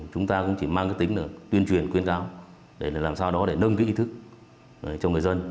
chúng ta cũng chỉ mang tính tuyên truyền khuyên cáo để làm sao đó để nâng ý thức cho người dân